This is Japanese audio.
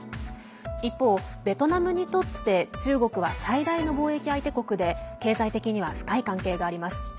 一方、ベトナムにとって中国は最大の貿易相手国で経済的には深い関係があります。